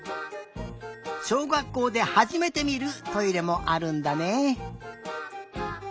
しょうがっこうではじめてみるトイレもあるんだね。